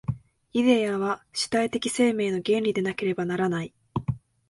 イデヤは主体的生命の原理でなければならない。